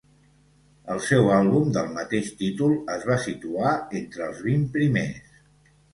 El seu àlbum, del mateix títol, es va situar entre els vint primers.